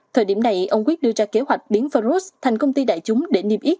thời điểm này ông quyết đưa ra kế hoạch biến faros thành công ty đại chúng để niêm yếp